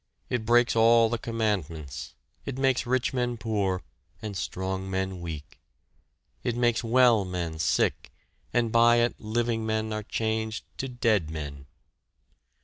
It breaks all the commandments; it makes rich men poor, and strong men weak. It makes well men sick, and by it living men are changed to dead men.